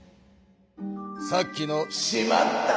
さっきの「しまった！」